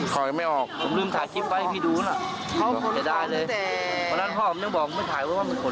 เขาขนของแล้วแต่ยังไม่ออกพี่ขนยังไม่ออกพี่ขนยังไม่ออก